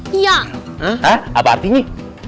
hah apa artinya